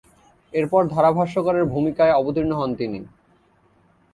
এরপর ধারাভাষ্যকারের ভূমিকায় অবতীর্ণ হন তিনি।